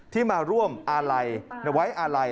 ที่มาร่วมอาลัยไว้อาลัย